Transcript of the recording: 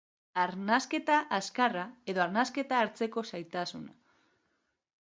Arnasketa azkarra edo arnasa hartzeko zailtasuna.